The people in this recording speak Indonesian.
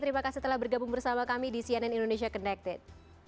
terima kasih telah bergabung bersama kami di cnn indonesia connected